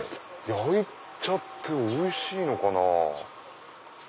焼いちゃっておいしいのかな？